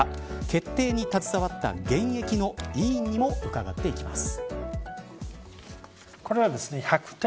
決定に携わった現役の委員にも伺っていきます。